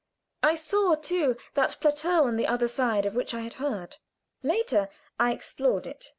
I saw, too, that plateau on the other side, of which I had heard; later I explored it.